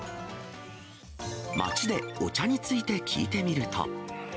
街でお茶について聞いてみると。